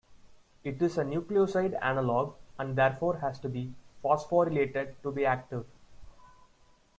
It is a nucleoside analog and therefore has to be phosphorylated to be active.